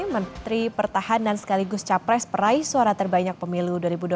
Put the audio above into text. menteri pertahanan sekaligus capres peraih suara terbanyak pemilu dua ribu dua puluh